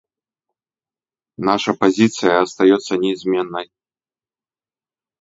Наша позиция остается неизменной.